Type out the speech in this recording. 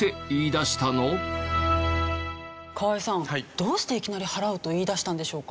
河合さんどうしていきなり払うと言い出したんでしょうか？